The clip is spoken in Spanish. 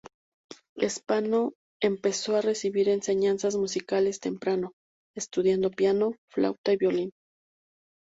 Spano empezó a recibir enseñanzas musicales temprano, estudiando piano, flauta y violín.